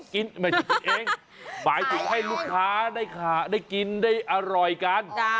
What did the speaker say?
ไม่ใช่กินเองหมายถึงให้ลูกค้าได้กินได้อร่อยกัน